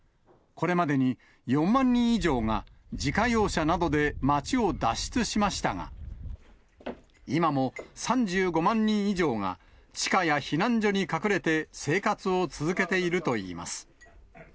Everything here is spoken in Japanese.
これまでに４万人以上が、自家用車などで町を脱出しましたが、今も３５万人以上が、地下や避難所に隠れて、生活を続けているといいます。